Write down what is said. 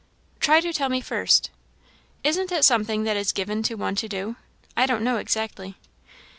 "Try to tell me first." "Isn't it something that is given to one to do? I don't know exactly."